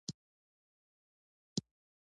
ډیپلوماسي د ملتونو ترمنځ اعتماد جوړوي.